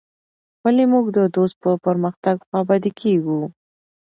ولي موږ د دوست په پرمختګ خوابدي کيږو.